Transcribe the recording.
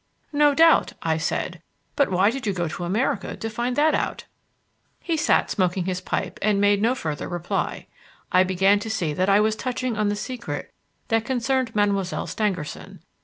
"No doubt," I said, "but why did you go to America to find that out?" He sat smoking his pipe, and made no further reply. I began to see that I was touching on the secret that concerned Mademoiselle Stangerson.